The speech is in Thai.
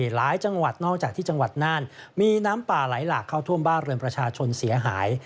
หลายจังหวัดนอกจากที่จังหวัดน่านมีน้ำป่าไหลหลากเข้าท่วมบ้านเรือนประชาชนเสียหาย